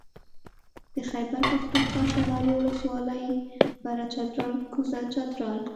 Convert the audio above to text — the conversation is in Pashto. د خېبر پښتونخوا شمالي ولسوالۍ بره چترال کوزه چترال